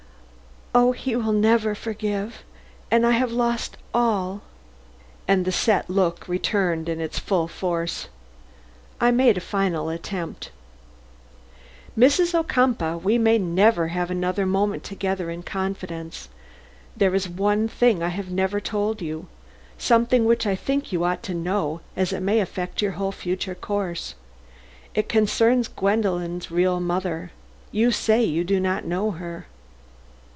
"Oh, he will never forgive and I have lost all." And the set look returned in its full force. I made my final attempt. "Mrs. Ocumpaugh, we may never have another moment together in confidence. There is one thing I have never told you, something which I think you ought to know, as it may affect your whole future course. It concerns Gwendolen's real mother. You say you do not know her."